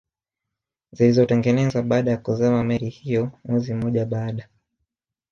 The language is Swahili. zilizotengenezwa baada ya kuzama meli hiyo mwezi mmoja baada